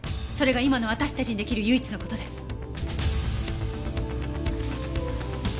それが今の私たちに出来る唯一の事です。